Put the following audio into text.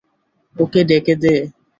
ওকে ডেকে দে।